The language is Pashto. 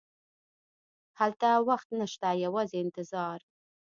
هلته وخت نه شته، یوازې انتظار.